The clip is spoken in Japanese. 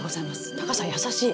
タカさん優しい！